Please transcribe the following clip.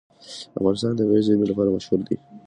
افغانستان د طبیعي زیرمې لپاره مشهور دی.